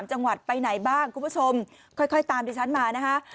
จังหวัดไปไหนบ้างคุณผู้ชมค่อยค่อยตามดิฉันมานะคะ